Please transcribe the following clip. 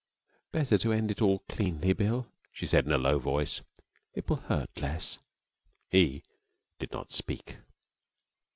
'Better to end it all cleanly, Bill,' she said, in a low voice. 'It will hurt less.' He did not speak.